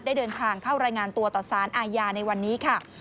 ได้เดินทางเข้ารายงานตัวต่อสารอาญาในวันนี้ค่ะ